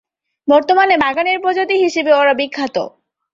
বর্তমানে বাগানের প্রজাতি হিসেবে এরা বিখ্যাত।